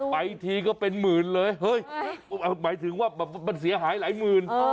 ไปทีก็เป็นหมื่นเลยเฮ้ยหมายถึงว่าแบบมันเสียหายหลายหมื่น